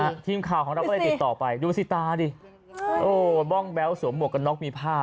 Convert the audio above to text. นี่ค่ะทีมข่าวเราก็เลยติดต่อไปดูสิตาก่อนดิโอ้มองแบ๊วสวมบัวกมัวกหน็อกมีผ้า